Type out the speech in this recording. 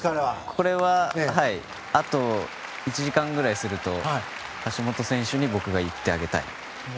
これはあと１時間ぐらいすると橋本選手に僕が言ってあげたい。